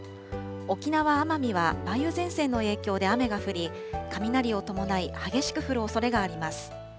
沖縄・奄美は梅雨前線の影響で雨が降り、雷を伴い激しく降るおそれがあります。